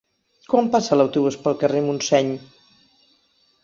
Quan passa l'autobús pel carrer Montseny?